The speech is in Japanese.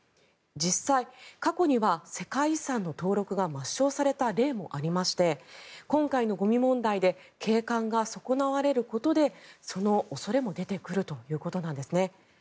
実際、過去には世界遺産の登録が抹消された例もありまして今回のゴミ問題で景観が損なわれることでその恐れも出てくるということなんですね。